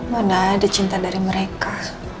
mana ada cinta dari mereka